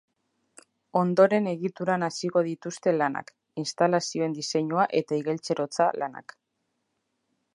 Ondoren egituran hasiko dituzte lanak, instalazioen diseinua eta igeltserotza lanak.